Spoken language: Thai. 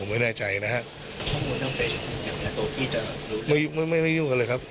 ไม่ยุ่งกันเลยครับ